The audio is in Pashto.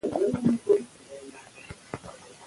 بزګان د افغانستان د ټولو هیوادوالو لپاره ویاړ دی.